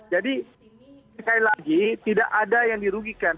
jadi sekali lagi tidak ada yang dirugikan